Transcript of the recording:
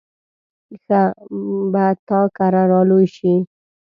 ښه به تا کره را لوی شي.